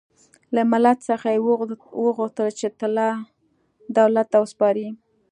له ملت څخه یې وغوښتل چې طلا دولت ته وسپاري.